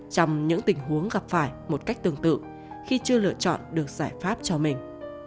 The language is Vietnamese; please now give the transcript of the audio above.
trong những tình huống gặp phải một cách tương tự khi chưa lựa chọn được giải pháp cho mình